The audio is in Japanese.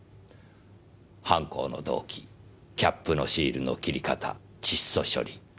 犯行の動機キャップのシールの切り方窒素処理